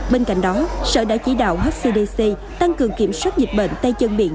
bên cạnh đó sở đã chỉ đạo hcdc tăng cường kiểm soát dịch bệnh tay chân miệng